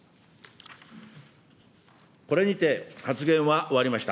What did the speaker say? これにて発言は終わりました。